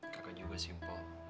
kaga juga sih mpok